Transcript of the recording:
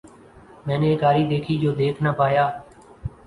میں نے ایک آری دیکھی جو دیکھ نہ پایا۔